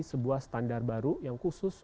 sebuah standar baru yang khusus